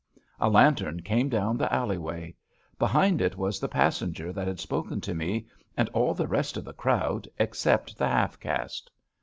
A lantern came down the alley way. Behind it was the passenger that had spoken to me, and all the rest of the crowd, except the half caste.